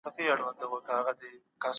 تاسي په خپل ژوند کي څه غواړئ؟